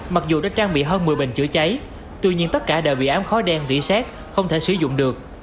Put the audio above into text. mặc dù đã trang bị hơn một mươi bình chữa cháy tuy nhiên tất cả đều bị ám khói đen rỉ xét không thể sử dụng được